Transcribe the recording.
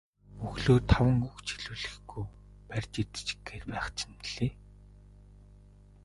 Өглөө таван үг ч хэлүүлэхгүй барьж идчих гээд байх чинь билээ.